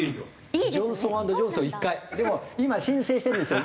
でも今申請してるんですよ。